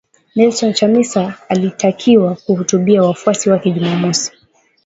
Nelson Chamisa alitakiwa kuhutubia wafuasi wake Jumamosi